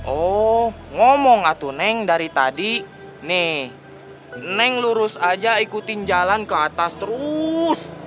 oh ngomong atu neng dari tadi neng lurus aja ikutin jalan ke atas terus